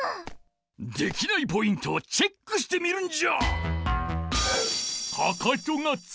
できないポイントをチェックしてみるんじゃ！